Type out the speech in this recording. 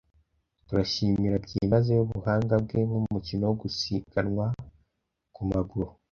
Turashimira byimazeyo ubuhanga bwe nkumukino wo gusiganwa ku maguru.